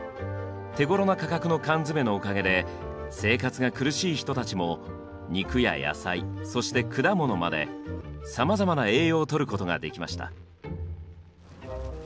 手ごろな価格の缶詰のおかげで生活が苦しい人たちも肉や野菜そして果物までさまざまな栄養をとることができました。